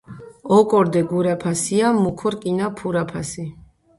ლჷბ ოკო რდე გურაფასია მუქო რკინა ფურაფასი